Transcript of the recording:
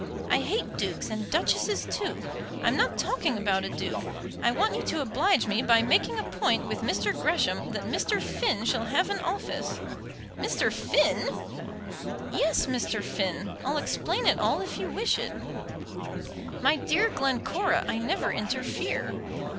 I hate dukes and duchesses too. I'm not talking about a duke. I want you to oblige me by making a point with Mr. Gresham that Mr. Finn shall have an office." "Mr. Finn!" "Yes, Mr. Finn. I'll explain it all if you wish it." "My dear Glencora, I never interfere."